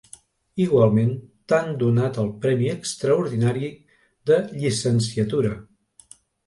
Igualment t'han donat el Premi Extraordinari de Llicenciatura!